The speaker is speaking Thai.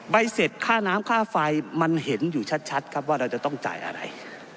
เสร็จค่าน้ำค่าไฟมันเห็นอยู่ชัดครับว่าเราจะต้องจ่ายอะไร